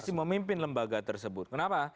masih memimpin lembaga tersebut kenapa